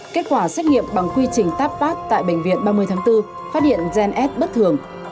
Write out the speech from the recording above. kết quả xét nghiệm bằng quy trình tap pat tại bệnh viện ba mươi tháng bốn phát hiện gen s bất thường